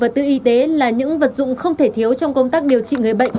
vật tư y tế là những vật dụng không thể thiếu trong công tác điều trị người bệnh